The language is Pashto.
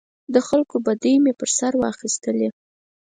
د خلکو بدۍ مې پر سر واخیستلې.